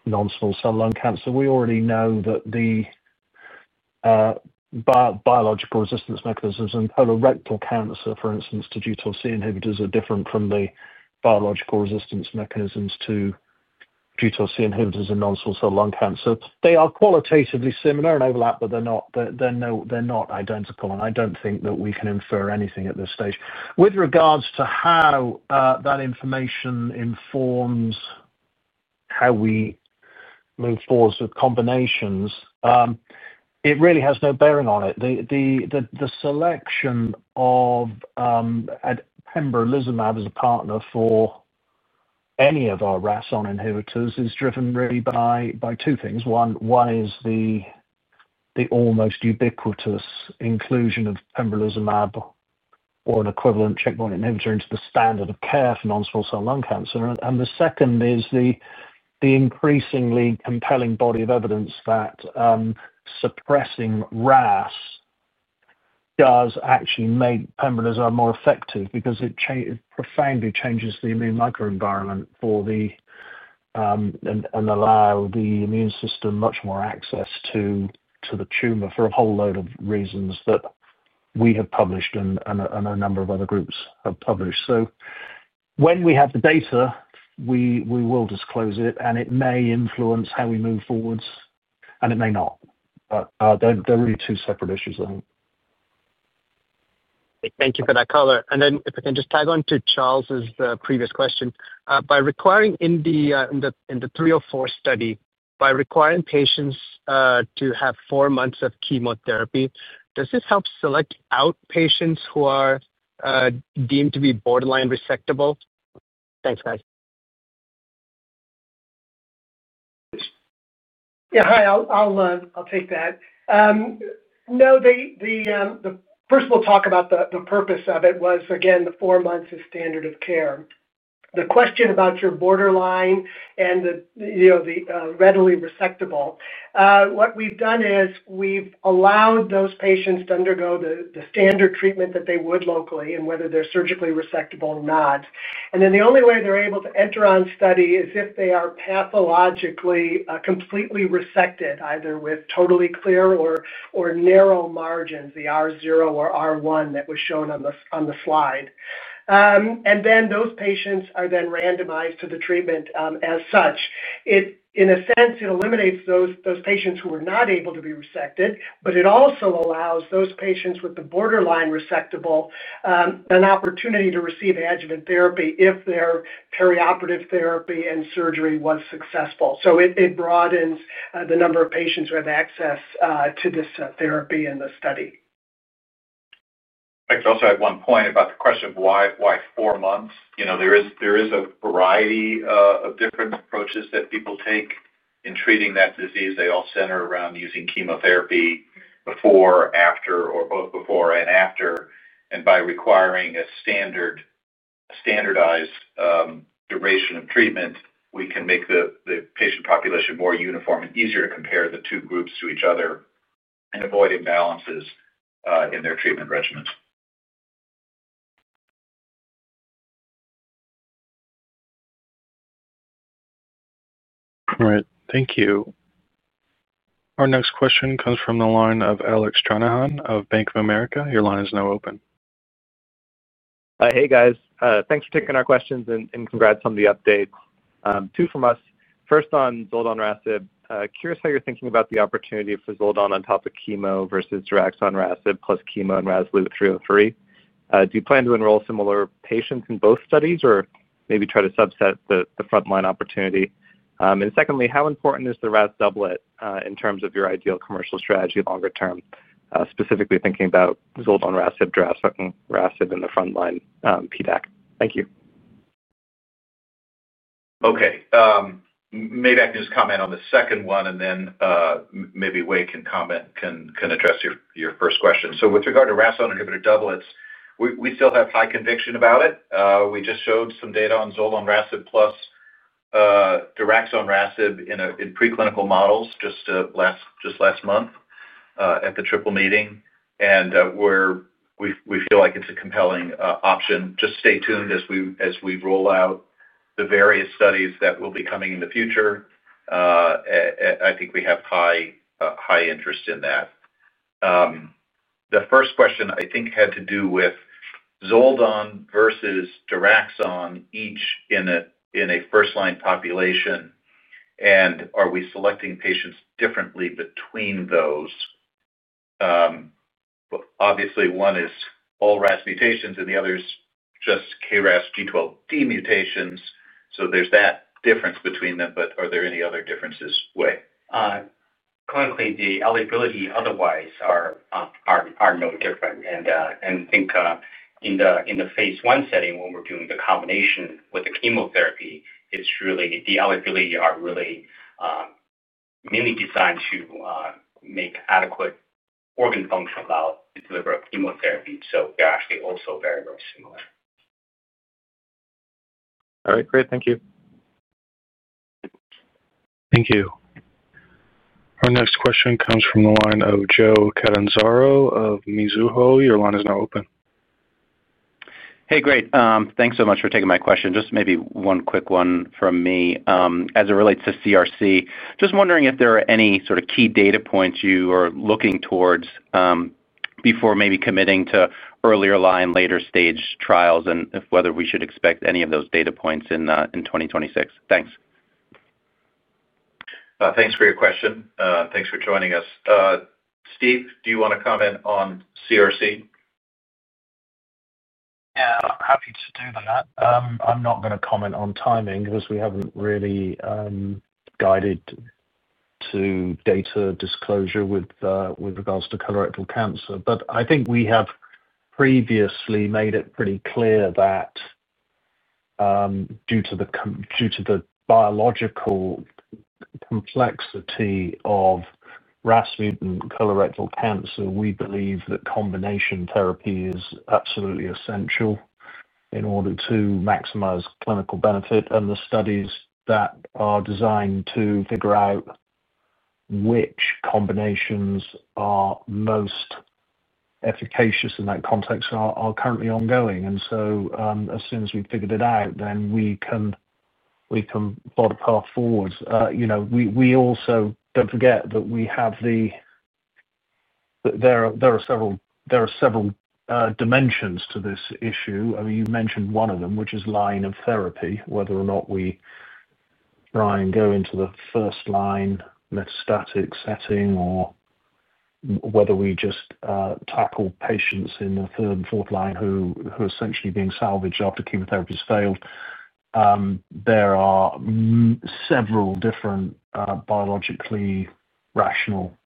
non-small cell lung cancer. We already know that the biological resistance mechanisms in colorectal cancer, for instance, to G12C inhibitors are different from the biological resistance mechanisms to G12C inhibitors in non-small cell lung cancer. They are qualitatively similar and overlap, but they're not identical. I do not think that we can infer anything at this stage with regards to how that information informs how we move forward with combinations. It really has no bearing on it. The selection of pembrolizumab as a partner for any of our RAS-on inhibitors is driven really by two things. One is the almost ubiquitous inclusion of pembrolizumab or an equivalent checkpoint inhibitor into the standard of care for non-small cell lung cancer. The second is the increasingly compelling body of evidence that suppressing RAS does actually make pembrolizumab more effective because it profoundly changes the immune microenvironment for the tumor and allows the immune system much more access to the tumor for a whole load of reasons that we have published and a number of other groups have published. When we have the data, we will disclose it, and it may influence how we move forward, and it may not. They are really two separate issues, I think. Thank you for that, color. If I can just tag on to Charles's previous question. In the 304 study, by requiring patients to have four months of chemotherapy, does this help select out patients who are deemed to be borderline resectable? Thanks, guys. Yeah. Hi. I'll take that. No, the first we'll talk about the purpose of it was, again, the four months is standard of care. The question about your borderline and the readily resectable, what we've done is we've allowed those patients to undergo the standard treatment that they would locally and whether they're surgically resectable or not. The only way they're able to enter on study is if they are pathologically completely resected, either with totally clear or narrow margins, the R0 or R1 that was shown on the slide. Those patients are then randomized to the treatment as such. In a sense, it eliminates those patients who are not able to be resected, but it also allows those patients with the borderline resectable an opportunity to receive adjuvant therapy if their perioperative therapy and surgery was successful.It broadens the number of patients who have access to this therapy in the study. Thanks. I also had one point about the question of why four months. There is a variety of different approaches that people take in treating that disease. They all center around using chemotherapy before, after, or both before and after. By requiring a standardized duration of treatment, we can make the patient population more uniform and easier to compare the two groups to each other. We can avoid imbalances in their treatment regimens. All right. Thank you. Our next question comes from the line of Alec Stranahan of Bank of America. Your line is now open. Hi, guys. Thanks for taking our questions and congrats on the update. Two from us. First on Zoledronrasib. Curious how you're thinking about the opportunity for Zoledron on top of chemo versus Diraxonrasib plus chemo in Resolute 303. Do you plan to enroll similar patients in both studies or maybe try to subset the frontline opportunity? Secondly, how important is the RAS doublet in terms of your ideal commercial strategy longer term, specifically thinking about Zoledronrasib, Diraxonrasib, and the frontline PDAC? Thank you. Okay. Maybe I can just comment on the second one, and then maybe Wei can comment, can address your first question. With regard to RAS-on inhibitor doublets, we still have high conviction about it. We just showed some data on Zoledronrasib plus Diraxonrasib in preclinical models just last month at the Triple meeting. We feel like it's a compelling option. Just stay tuned as we roll out the various studies that will be coming in the future. I think we have high interest in that. The first question, I think, had to do with Zoledron versus Diraxon, each in a first-line population, and are we selecting patients differently between those? Obviously, one is all RAS mutations, and the other is just KRAS G12D mutations. There's that difference between them, but are there any other differences, Wei? Clinically, the eligibility otherwise are no different. I think in the Phase I setting, when we're doing the combination with the chemotherapy, the eligibility are really mainly designed to make adequate organ function allowed to deliver chemotherapy. They are actually also very, very similar. All right. Great. Thank you. Thank you. Our next question comes from the line of Joe Catanzaro of Mizuho. Your line is now open. Hey, great. Thanks so much for taking my question. Just maybe one quick one from me as it relates to CRC. Just wondering if there are any sort of key data points you are looking towards. Before maybe committing to earlier line, later stage trials, and if whether we should expect any of those data points in 2026. Thanks. Thanks for your question. Thanks for joining us. Steve, do you want to comment on CRC? Yeah. Happy to do that. I'm not going to comment on timing because we haven't really guided to data disclosure with regards to colorectal cancer. I think we have previously made it pretty clear that, due to the biological complexity of RAS mutant colorectal cancer, we believe that combination therapy is absolutely essential in order to maximize clinical benefit. The studies that are designed to figure out which combinations are most efficacious in that context are currently ongoing. As soon as we've figured it out, then we can plot a path forward. We also don't forget that we have the—there are several dimensions to this issue. I mean, you mentioned one of them, which is line of therapy, whether or not we try and go into the first-line metastatic setting or whether we just tackle patients in the third and fourth line who are essentially being salvaged after chemotherapy has failed. There are several different biologically rational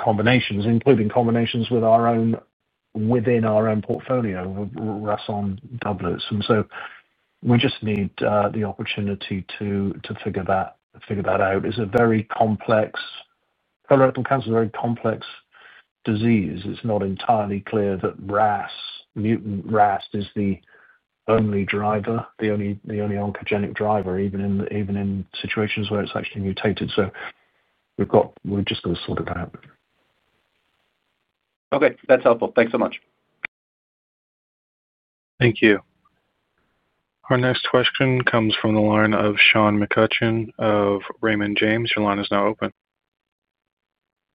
combinations, including combinations within our own portfolio of RAS-on doublets. We just need the opportunity to figure that out. Colorectal cancer is a very complex disease. It's not entirely clear that mutant RAS is the only driver, the only oncogenic driver, even in situations where it's actually mutated. We are just going to sort it out. Okay. That's helpful. Thanks so much. Thank you. Our next question comes from the line of Sean McCutcheon of Raymond James. Your line is now open.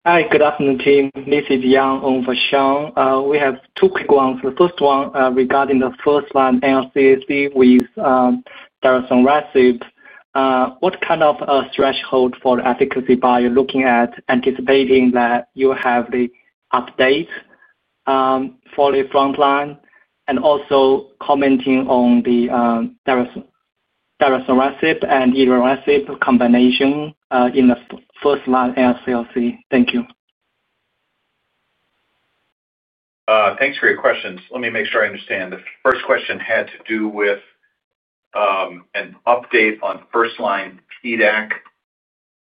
Hi. Good afternoon, team. This is Yang on for Sean. We have two quick ones. The first one regarding the first-line NSCLC with Diraxonrasib. What kind of threshold for the efficacy are you looking at, anticipating that you have the update for the frontline? Also, commenting on the Diraxonrasib and Ivarasib combination in the first-line NSCLC. Thank you. Thanks for your questions. Let me make sure I understand. The first question had to do with an update on first-line PDAC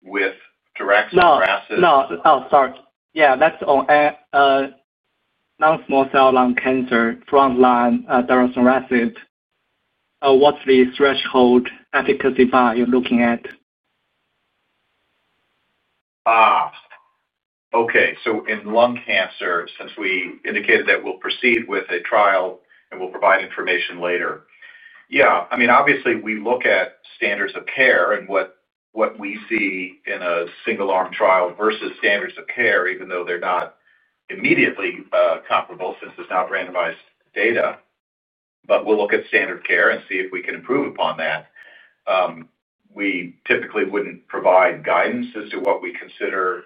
with Diraxonrasib. No. Oh, sorry. Yeah. That's on. Non-small cell lung cancer, frontline Diraxonrasib. What's the threshold efficacy bar you're looking at? Okay. In lung cancer, since we indicated that we'll proceed with a trial and we'll provide information later. Yeah. I mean, obviously, we look at standards of care and what we see in a single-arm trial versus standards of care, even though they're not immediately comparable since it's not randomized data. We look at standard care and see if we can improve upon that. We typically wouldn't provide guidance as to what we consider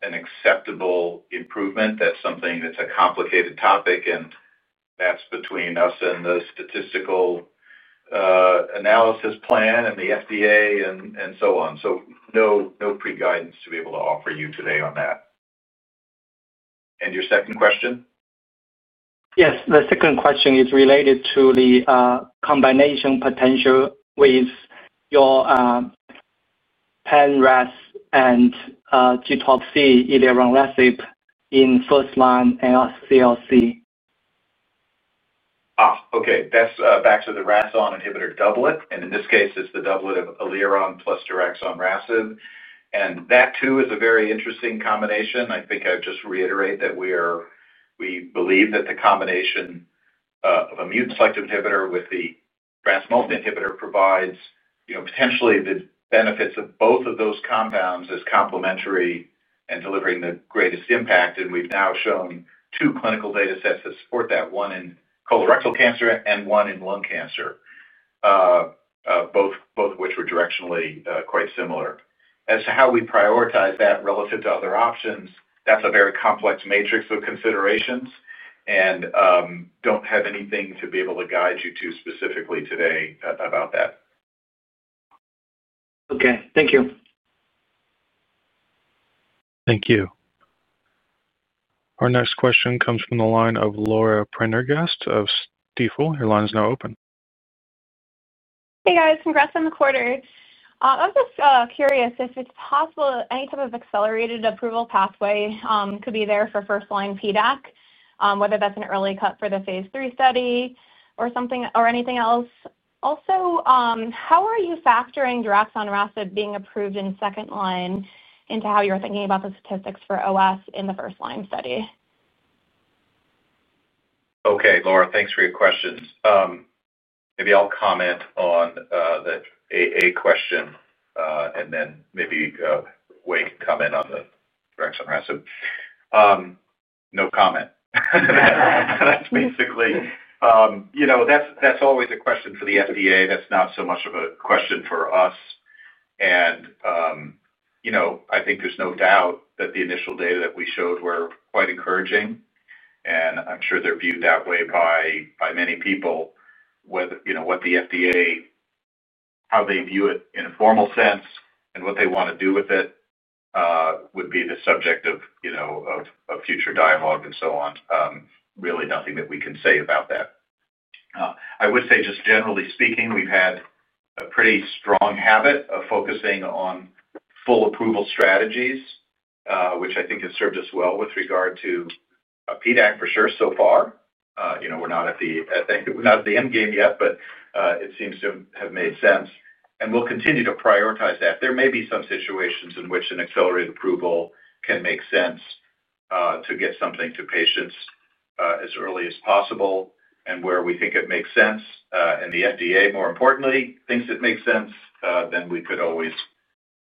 an acceptable improvement. That's something that's a complicated topic, and that's between us and the statistical analysis plan and the FDA and so on. No pre-guidance to be able to offer you today on that. Your second question? Yes. The second question is related to the combination potential with your pan-RAS and G12C Ivaronrasib in first-line NSCLC. Okay. That's back to the RAS-on inhibitor doublet. In this case, it's the doublet of Allieronrasib plus Diraxonrasib. That too is a very interesting combination. I think I'd just reiterate that we believe that the combination of a mutant selective inhibitor with the RAS-on inhibitor provides potentially the benefits of both of those compounds as complementary and delivering the greatest impact. We've now shown two clinical data sets that support that, one in colorectal cancer and one in lung cancer, both of which were directionally quite similar. As to how we prioritize that relative to other options, that's a very complex matrix of considerations and I don't have anything to be able to guide you to specifically today about that. Okay. Thank you. Thank you. Our next question comes from the line of Laura Prendergast of Stifel. Your line is now open. Hey, guys. Congrats on the quarter. I'm just curious if it's possible any type of accelerated approval pathway could be there for first-line PDAC, whether that's an early cut for the Phase III study or anything else. Also, how are you factoring Diraxonrasib being approved in second-line into how you're thinking about the statistics for OS in the first-line study? Okay. Laura, thanks for your questions. Maybe I'll comment on the AA question, and then maybe Wei can comment on the Diraxonrasib. No comment. That's basically. That's always a question for the FDA. That's not so much of a question for us. I think there's no doubt that the initial data that we showed were quite encouraging. I'm sure they're viewed that way by many people. What the FDA, how they view it in a formal sense and what they want to do with it, would be the subject of future dialogue and so on. Really nothing that we can say about that. I would say just generally speaking, we've had a pretty strong habit of focusing on full approval strategies, which I think has served us well with regard to PDAC for sure so far. We're not at the end game yet, but it seems to have made sense. We'll continue to prioritize that. There may be some situations in which an accelerated approval can make sense to get something to patients as early as possible and where we think it makes sense. If the FDA, more importantly, thinks it makes sense, we could always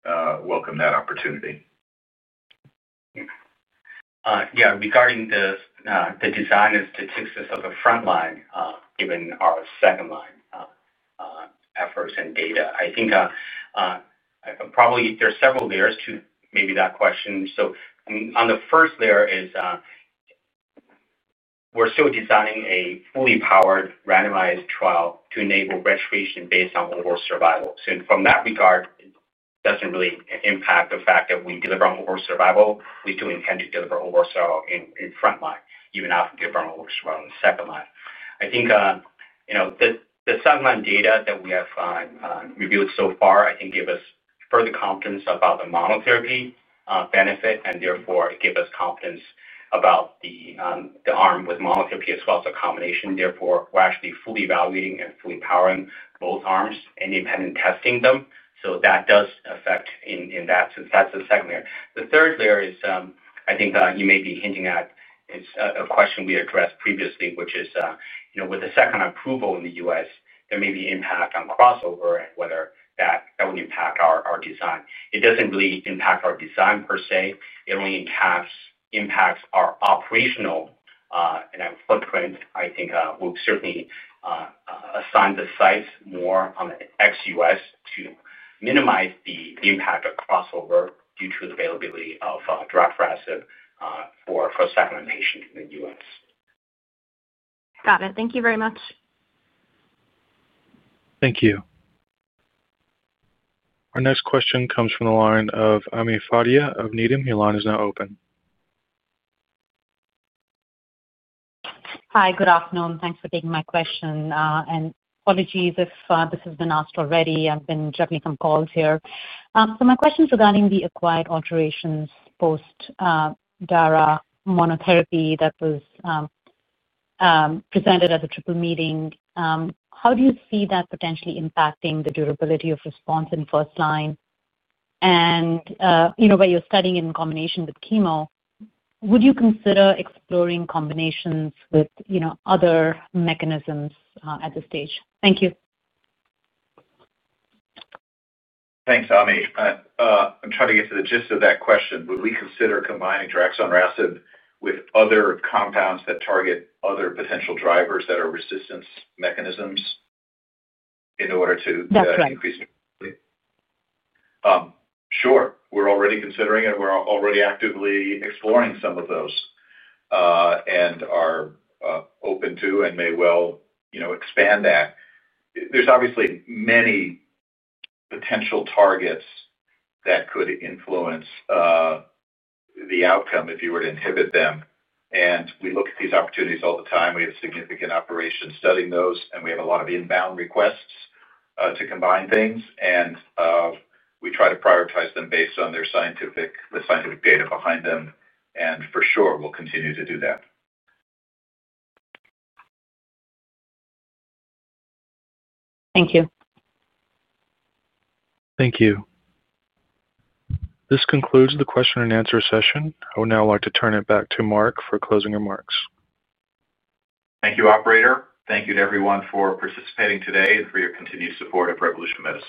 welcome that opportunity. Yeah. Regarding the design and statistics of the frontline, given our second-line efforts and data, I think probably there's several layers to maybe that question. On the first layer is we're still designing a fully powered randomized trial to enable registration based on overall survival. From that regard, it doesn't really impact the fact that we deliver on overall survival. We still intend to deliver overall survival in frontline, even after delivering overall survival in second-line. I think the second-line data that we have reviewed so far, I think, give us further confidence about the monotherapy benefit and therefore give us confidence about the arm with monotherapy as well as the combination. Therefore, we're actually fully evaluating and fully powering both arms and independently testing them. That does affect in that sense. That's the second layer. The third layer is, I think you may be hinting at, is a question we addressed previously, which is. With the second approval in the U.S., there may be impact on crossover and whether that would impact our design. It does not really impact our design per se. It only impacts our operational footprint. I think we will certainly assign the sites more on the ex-U.S. to minimize the impact of crossover due to the availability of Diraxonrasib for second-line patients in the U.S. Got it. Thank you very much. Thank you. Our next question comes from the line of Ami Fadia of Needham. Your line is now open. Hi. Good afternoon. Thanks for taking my question. And apologies if this has been asked already. I've been juggling some calls here. My question is regarding the acquired alterations post Dara monotherapy that was presented at the triple meeting. How do you see that potentially impacting the durability of response in first-line? Where you're studying it in combination with chemo, would you consider exploring combinations with other mechanisms at this stage? Thank you. Thanks, Ami. I'm trying to get to the gist of that question. Would we consider combining Diraxonrasib with other compounds that target other potential drivers that are resistance mechanisms? In order to. That's right. Increase durability? Sure. We're already considering it. We're already actively exploring some of those. We are open to and may well expand that. There are obviously many potential targets that could influence the outcome if you were to inhibit them. We look at these opportunities all the time. We have significant operations studying those, and we have a lot of inbound requests to combine things. We try to prioritize them based on the scientific data behind them. For sure, we'll continue to do that. Thank you. Thank you. This concludes the question and answer session. I would now like to turn it back to Mark for closing remarks. Thank you, operator. Thank you to everyone for participating today and for your continued support of Revolution Medicines.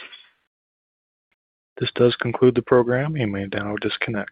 This does conclude the program. You may now disconnect.